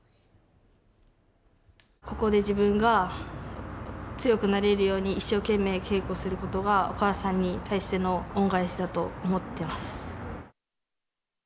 ここで自分が強くなれるように一生懸命、稽古することがお母さんに対しての恩返しだと思っています。